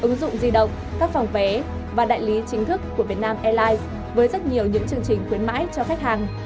ứng dụng di động các phòng vé và đại lý chính thức của việt nam airlines với rất nhiều những chương trình khuyến mãi cho khách hàng